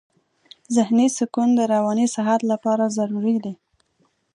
ذهني سکون د رواني صحت لپاره ضروري دی.